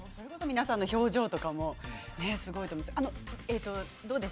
皆さんの表情とかもすごいです。